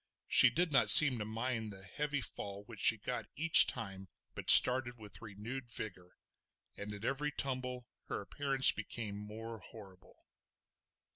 She did not seem to mind the heavy fall which she got each time but started with renewed vigour; and at every tumble her appearance became more horrible.